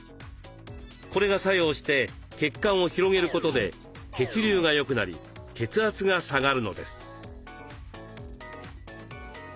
これが作用して血管を広げることで血流がよくなり血圧が下がるのです。